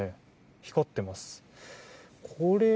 光っています。